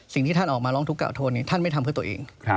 สิ่งที่ท่านออกมาร้องทุกกล่าวโทษนี้ท่านไม่ทำเพื่อตัวเอง